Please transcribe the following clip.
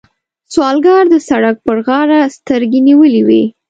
سوالګر د سړک پر غاړه سترګې نیولې وي